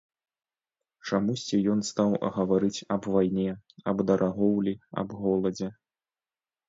Чамусьці ён стаў гаварыць аб вайне, аб дарагоўлі, аб голадзе.